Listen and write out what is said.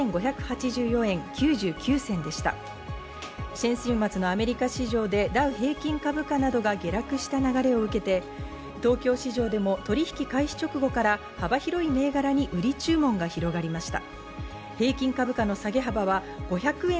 先週末のアメリカ市場でダウ平均株価などが下落した流れを受けて東京市場でも取引開始直後から幅広い銘柄に売り注文が広がりました。